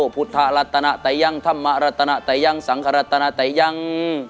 สังคมฟุตโธรัตนาไตยังทัมมารัตนาไตยังสังหรัตนระไตยัง